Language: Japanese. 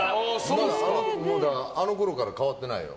あのころから変わってないよ。